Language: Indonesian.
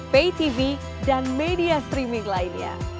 pay tv dan media streaming lainnya